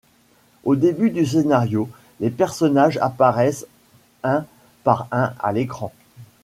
Au début du scénario, les personnages apparaissent un par un à l’écran.